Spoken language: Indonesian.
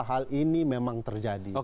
hal ini memang terjadi